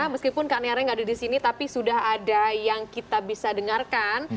meskipun kak nearnya nggak ada di sini tapi sudah ada yang kita bisa dengarkan